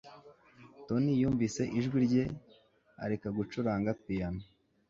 tony yumvise ijwi rye areka gucuranga piyano